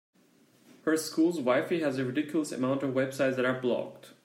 Her school’s WiFi has a ridiculous amount of websites that are blocked.